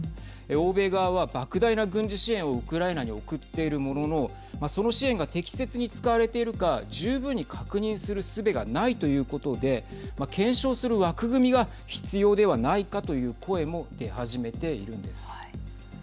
欧米側は莫大な軍事支援をウクライナに送っているもののその支援が適切に使われているか十分に確認するすべがないということで検証する枠組みが必要ではないかという声も出始めているんです。